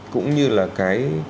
cũng như là cái